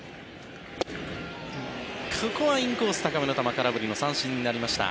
ここはインコース、高めの球空振りの三振になりました。